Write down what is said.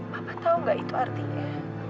bapak tahu nggak itu artinya